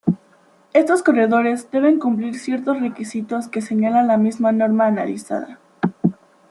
Estos corredores deben cumplir ciertos requisitos que señala la misma norma analizada.